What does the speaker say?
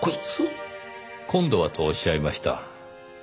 「今度は」とおっしゃいました。